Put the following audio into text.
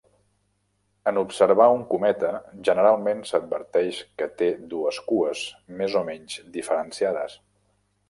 En observar un cometa generalment s'adverteix que té dues cues més o menys diferenciades.